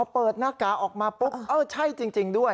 เปิดหน้ากากออกมาปุ๊บเออใช่จริงด้วย